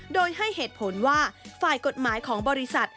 โดยให้เหตุผลว่าฝ่ายกฎหมายของบริษัท